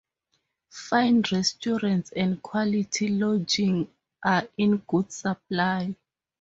Fine restaurants and quality lodging are in good supply.